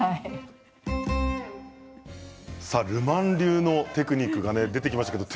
ル・マン流のテクニックが出てきました。